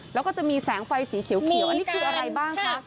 แล้วก็จะมีแสงไฟสีเขียวอันนี้คืออะไรบ้างคะ